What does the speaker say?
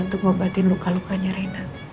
untuk ngobatin luka lukanya rina